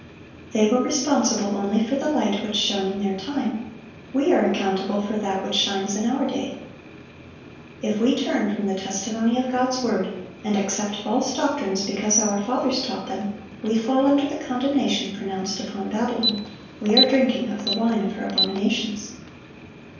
They were responsible only for the light which shone in their time; we are accountable for that which shines in our day. If we turn from the testimony of God's word, and accept false doctrines because our fathers taught them, we fall under the condemnation pronounced upon Babylon; we are drinking of the wine of her abominations.